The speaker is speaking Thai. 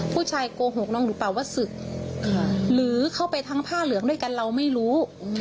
โกหกน้องหรือเปล่าว่าศึกหรือเข้าไปทั้งผ้าเหลืองด้วยกันเราไม่รู้